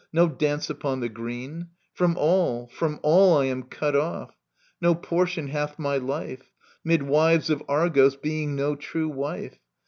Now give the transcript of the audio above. No dance upon the green ! From all, from all I am cut off. No portion hath my life 'Mid wives of Argos, being no true wife.